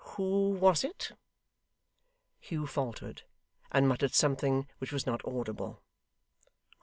Who was it?' Hugh faltered, and muttered something which was not audible.